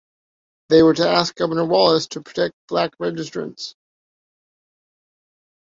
They were to ask Governor Wallace to protect black registrants.